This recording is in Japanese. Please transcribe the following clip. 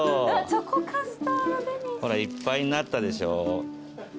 ほらいっぱいになったでしょ。